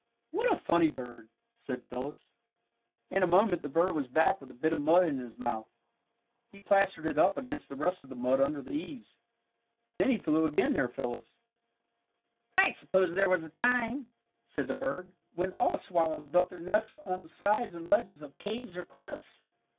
"What a funny bird!" said Phyllis. In a moment the bird was back with a bit of mud in his mouth. He plastered it up against the rest of the mud under the eaves. Then he flew again near Phyllis. "I suppose there was a time," said the bird, "when all swallows built their nests on the sides and ledges of caves or cliffs.